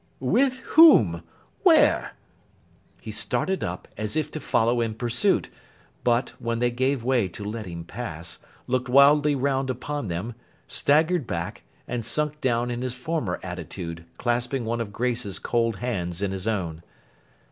'With whom? Where?' He started up, as if to follow in pursuit; but, when they gave way to let him pass, looked wildly round upon them, staggered back, and sunk down in his former attitude, clasping one of Grace's cold hands in his own.